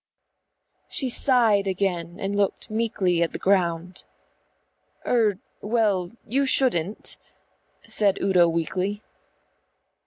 She sighed again and looked meekly at the ground. "Er, well, you shouldn't," said Udo weakly.